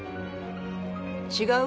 違う？